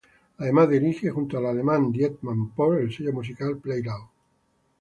Además, dirige junto al alemán Dietmar Post el sello musical play loud!